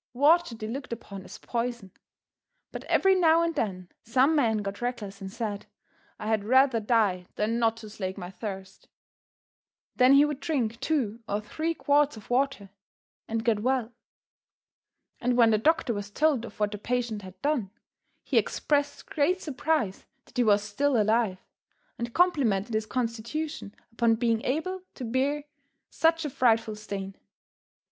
Water they looked upon as poison. But every now and then some man got reckless and said, "I had rather die than not to slake my thirst." Then he would drink two or three quarts of water and get well. And when the doctor was told of what the patient had done, he expressed great surprise that he was still alive, and complimented his constitution upon being able to bear such a frightful strain.